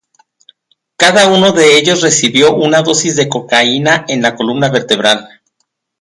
Cada uno de ellos recibió una dosis de cocaína en la columna vertebral.